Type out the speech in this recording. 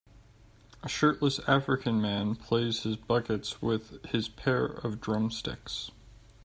A shirtless African man plays his buckets with his pair of drumsticks.